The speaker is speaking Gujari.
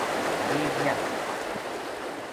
لے گیا